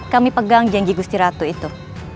kami pegang janji gusti ratu itu